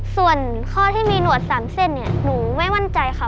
ส่วนข้อที่มีหนวด๓เส้นเนี่ยหนูไม่มั่นใจค่ะ